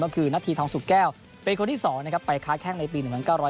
ก็คือนักทีทองสุกแก้วเป็นคนที่สอนไปค้าแข้งในปี๑๙๙๐